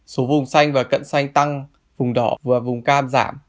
số vùng xanh và cận xanh tăng vùng đỏ và vùng cam giảm